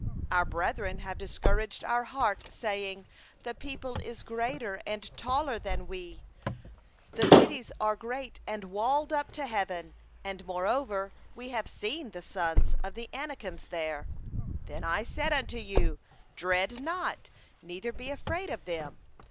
our brethren have made our heart to melt, saying: The people is greater and taller than we; the cities are great and fortified up to heaven; and moreover we have seen the sons of the Anakim there.' 29Then I said unto you: 'Dread not, neither be afraid of them.